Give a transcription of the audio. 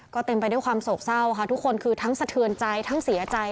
ก็เต็มไปด้วยความโศกเศร้าค่ะทุกคนคือทั้งสะเทือนใจทั้งเสียใจ